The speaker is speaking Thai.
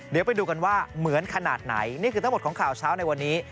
เดี๋ยวไปดูกันว่าเหมือนขนาดไหนนี่คือทั้งหมดของข่าวเช้าในวันนี้